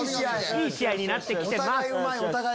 いい試合になって来てます。